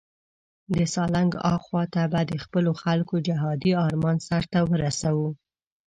د سالنګ اخواته به د خپلو خلکو جهادي آرمان سرته ورسوو.